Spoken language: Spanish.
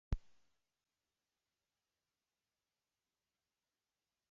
La primera temporada constará de cuatro entregas.